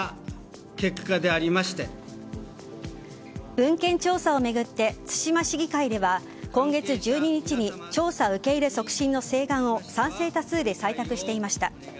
文献調査を巡って対馬市議会では今月１２日に調査受け入れ促進の請願を賛成多数で採択していました。